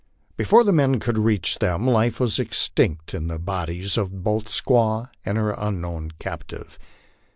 Before the men could reach them life was extinct in the bodies of both the squaw and her unknown captive.